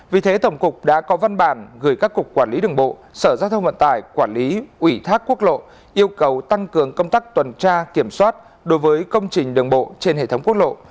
vì thế tổng cục đã có văn bản gửi các cục quản lý đường bộ sở giao thông vận tải quản lý ủy thác quốc lộ yêu cầu tăng cường công tác tuần tra kiểm soát đối với công trình đường bộ trên hệ thống quốc lộ